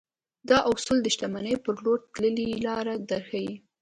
دا اصول د شتمنۍ پر لور تللې لاره درښيي.